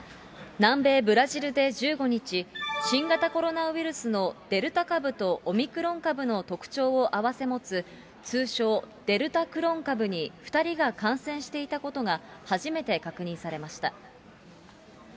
南米ブラジルで１５日、新型コロナウイルスのデルタ株とオミクロン株の特徴を併せ持つ、通称、デルタクロン株に２人が感染していたことが初めて確認されました。